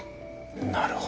なるほど。